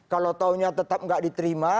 kalau taunya tetap nggak diterima